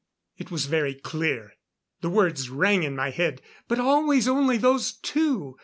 "_ It was very clear. The words rang in my head. But always only those two.